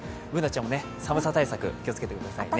Ｂｏｏｎａちゃんも寒さ対策、気をつけてくださいね。